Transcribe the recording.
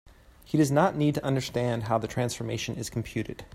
He does not need to understand how the transformation is computed.